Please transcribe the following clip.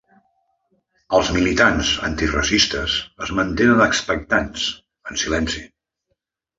Els militants antiracistes es mantenen expectants, en silenci.